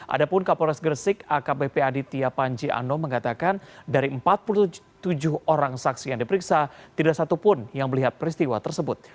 ada pun kapolres gresik akbp aditya panji anom mengatakan dari empat puluh tujuh orang saksi yang diperiksa tidak satu pun yang melihat peristiwa tersebut